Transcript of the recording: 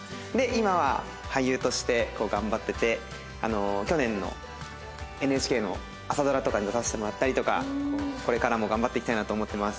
今は俳優として頑張ってて去年のＮＨＫの朝ドラとかに出させてもらったりとかこれからも頑張っていきたいなと思ってます。